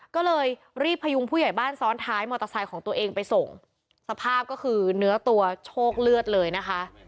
ก็เลยรีบพยุงผู้ใหญ่บ้านซ้อนท้ายมอเตอร์ไซค์ของตัวเองไปส่งสภาพก็คือเนื้อตัวโชคเลือดเลยนะคะ